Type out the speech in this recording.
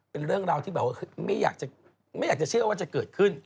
เป็นเรื่องราวที่แบบว่าไม่อยากจะเชื่อว่าจะเกิดขึ้น